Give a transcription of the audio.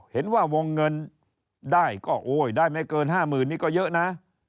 เห็นว่าวงเงินได้ก็โอ้ยได้ไม่เกิน๕๐๐๐นี่ก็เยอะนะ